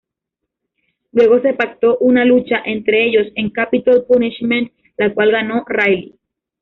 Luego se pactó una lucha entre ellos en "Capitol Punishment", la cual ganó Riley.